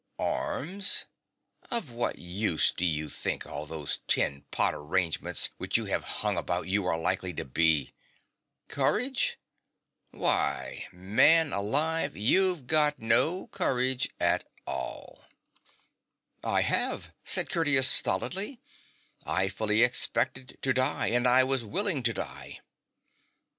Arms ? Of what use do you think all those tin pot arrange ments which you have hung about you are likely to be ? Courage ? W^hy, man alive ! you've got no courage at all.' 95 THE BOTTOM OF THE GULF ' I have/ said Curtius stolidly ;' I fully expected to die, and I was willing to die.'